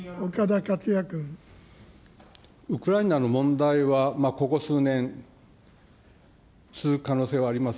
ウクライナの問題は、ここ数年、続く可能性はあります。